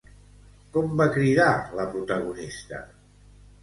Com va cridar la protagonista?